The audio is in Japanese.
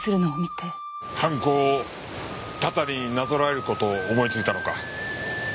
犯行をたたりになぞらえる事を思いついたのか。